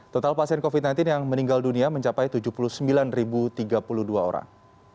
total pasien covid sembilan belas yang meninggal dunia mencapai tujuh puluh sembilan tiga puluh dua orang